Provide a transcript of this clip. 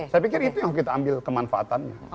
saya pikir itu yang harus kita ambil kemanfaatannya